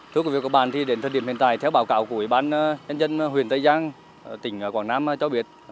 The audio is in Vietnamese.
thưa quý vị các bạn đến thời điểm hiện tại theo báo cáo của ủy ban nhân dân huyền tây giang tỉnh quảng nam cho biết